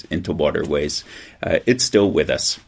ini masih bersama kita